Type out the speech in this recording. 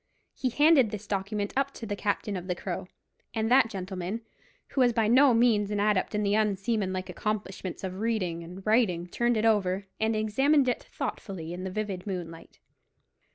He handed this document up to the captain of the Crow, and that gentleman, who was by no means an adept in the unseamanlike accomplishments of reading and writing, turned it over, and examined it thoughtfully in the vivid moonlight.